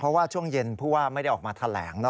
เพราะว่าช่วงเย็นไม่ได้ออกมาแถลงนะ